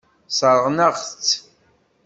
Sseṛɣen-aɣ-tt.